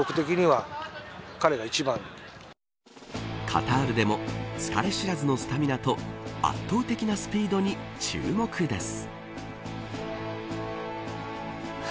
カタールでも疲れ知らずのスタミナと圧倒的なスピードに注目です。